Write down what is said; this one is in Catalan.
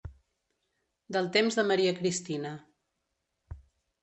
Del temps de Maria Cristina.